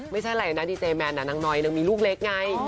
ไม่ใช่อะไรนะดีเจแมนนางน้อยนางมีลูกเล็กไง